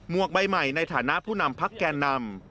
วกใบใหม่ในฐานะผู้นำพักแก่นำ